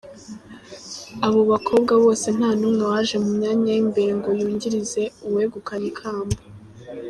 Abo bakobwa bose nta numwe waje mu myanya y’imbere ngo yungirize uwegukanye ikamba.